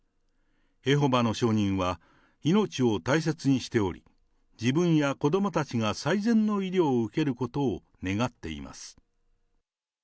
エホバの証人は、命を大切にしており、自分や子どもたちが最善の医療を受けることを願っています。